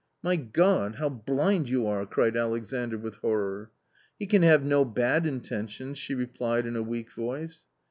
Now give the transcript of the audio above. " My God ! how blind you are !" cried Alexandr with horror. " He can have no bad intentions," she replied in a weak voice.